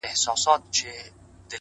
ستا د سترگو جام مي د زړه ور مات كـړ ـ